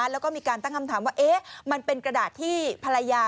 แล้วก็มีการตั้งคำถามว่ามันเป็นกระดาษที่ภรรยา